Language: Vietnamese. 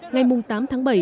ngày tám tháng sáu